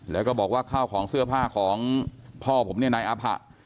แล้วก็บอกว่าข้าวของเสื้อผ้าของพ่อผมเนี่ยนายอาผะ